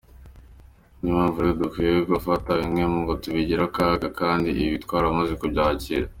Ni yo mpamvu rero tudakwiye gufata bimwe ngo tubigire akaga, kandi ibibi twaramaze kubyakira.